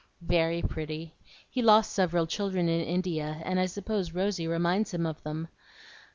"Very pretty! He lost several children in India and I suppose Rosy reminds him of them.